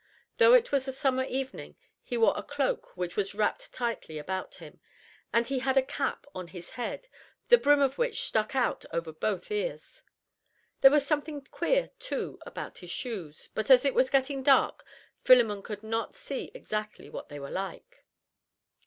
Though it was a summer evening, he wore a cloak which was wrapped tightly about him; and he had a cap on his head, the brim of which stuck out over both ears. There was something queer too about his shoes, but as it was getting dark, Philemon could not see exactly what they were like.